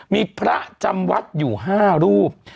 มีพระจำวัดอยู่๕รูป